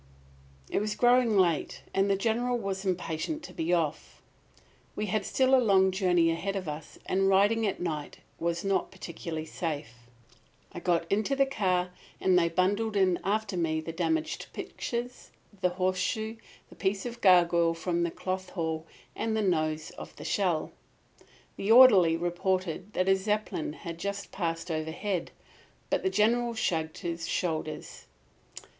It was growing late and the General was impatient to be off. We had still a long journey ahead of us, and riding at night was not particularly safe. I got into the car and they bundled in after me the damaged pictures, the horseshoe, the piece of gargoyle from the Cloth Hall and the nose of the shell. The orderly reported that a Zeppelin had just passed overhead; but the General shrugged his shoulders.